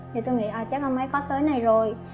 thì tôi nghĩ chắc ông ấy có tới này rồi